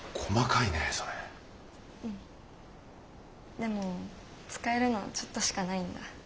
でも使えるのはちょっとしかないんだ。